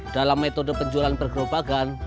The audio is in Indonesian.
dalam metode penjualan pergerobakan